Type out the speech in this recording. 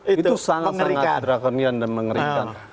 itu sangat sangat drakonian dan mengerikan